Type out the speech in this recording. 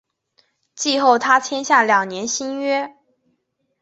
季后他签下两年新约。